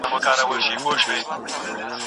لښتې په لاسو کې د شيدو څاڅکی ولید.